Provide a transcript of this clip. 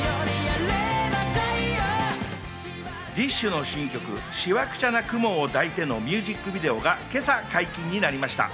ＤＩＳＨ／／の新曲『しわくちゃな雲を抱いて』のミュージックビデオが今朝、解禁になりました。